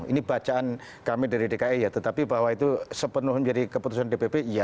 ini bacaan kami dari dki ya tetapi bahwa itu sepenuhnya jadi keputusan dpp iya